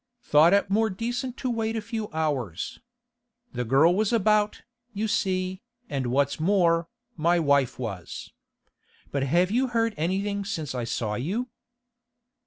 'Thought it more decent to wait a few hours. The girl was about, you see, and what's more, my wife was. But have you heard anything since I saw you?